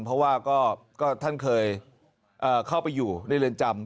เพราะว่าท่านเคยเข้าไปอยู่ในเรือนจำ